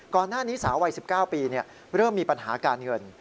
ก่อนหน้านี้สาววัย๑๙ปีเริ่มมีปัญหาการเงิน